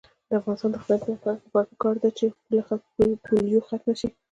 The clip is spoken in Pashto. د افغانستان د اقتصادي پرمختګ لپاره پکار ده چې پولیو ختمه شي.